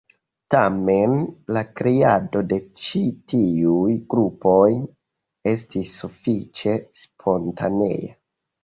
Tamen, la kreado de ĉi tiuj grupoj estis sufiĉe spontanea.